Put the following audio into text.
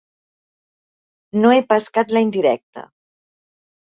No he pescat la indirecta.